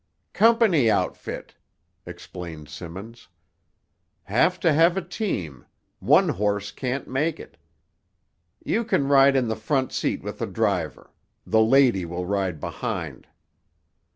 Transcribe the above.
"Company outfit," explained Simmons. "Have to have a team; one horse can't make it. You can ride in the front seat with the driver. The lady will ride behind."